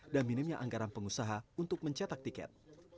dan minimnya anggaran pengusaha untuk mencetak tiket